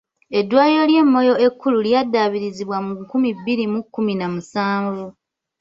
Eddwaliro ly'e Moyo ekkulu lyaddaabirizibwa mu nkumi bbiri mu kkumi na musanvu.